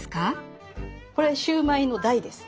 これシューマイの台です。